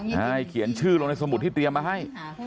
ใช่เขียนชื่อลงในสมุดที่เตรียมมาให้